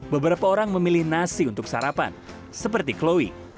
beberapa orang memilih nasi untuk sarapan seperti chloie